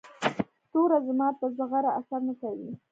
توره زما په زغره اثر نه کوي.